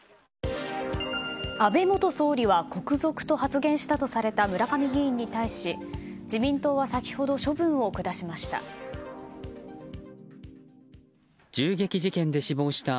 安倍元総理は国賊と発言したとされた村上議員に対し、自民党は先ほど処分を下しました。